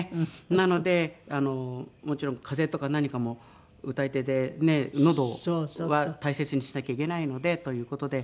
なのでもちろん風邪とか何かも歌い手でのどは大切にしなきゃいけないのでという事で。